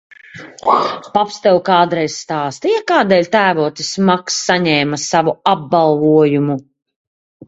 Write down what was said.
Paps tev kādreiz stāstīja, kādēļ tēvocis Maks saņēma savu apbalvojumu?